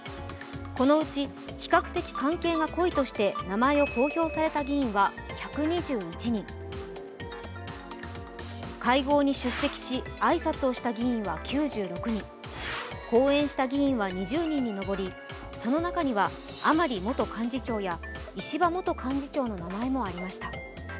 このうち比較的関係が濃いとして名前が公表された議員は１２１人、会合に出席し挨拶した議員は９６人、講演した議員は２０人に上りその中には甘利元幹事長や石破元幹事長の名前もありました。